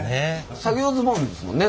作業ズボンですもんね？